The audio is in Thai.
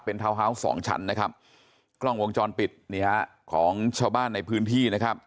ทาวน์ฮาวส์สองชั้นนะครับกล้องวงจรปิดนี่ฮะของชาวบ้านในพื้นที่นะครับ